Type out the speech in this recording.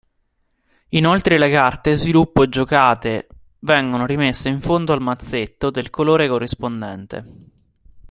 Inoltre le carte Sviluppo giocate vengono rimesse in fondo al mazzetto del colore corrispondente.